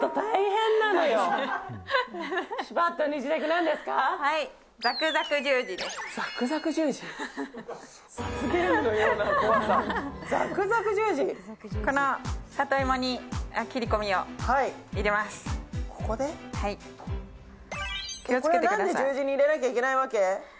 なんで十字に入れなきゃいけないわけ？